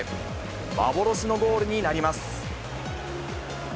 幻のゴールになります。